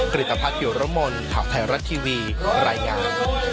กฤตภักดิ์อยู่ละมนต์ข่าวไทยรัฐทีวีรายงาน